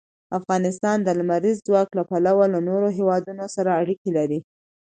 افغانستان د لمریز ځواک له پلوه له نورو هېوادونو سره اړیکې لري.